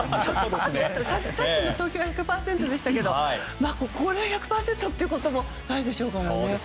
さっきの投票は１００％でしたけどここで１００％というものじゃないですからね。